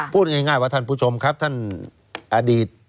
พูดง่ายว่าท่านผู้ชมครับท่านอดีต